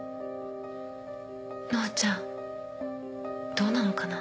乃愛ちゃんどうなのかな？